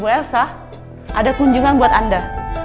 we elsa ada kunjungan buat anda